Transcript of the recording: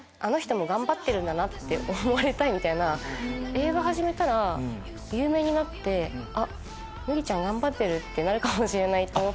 映画始めたら有名になって「麦ちゃん頑張ってる」ってなるかもしれないと思って。